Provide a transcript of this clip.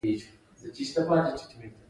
مخ پر بغلان روان شولو.